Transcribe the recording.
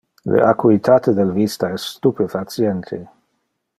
Le acuitate del vista es stupefaciente.